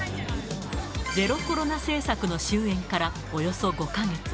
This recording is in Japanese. ゼロコロナ政策の終えんからおよそ５カ月。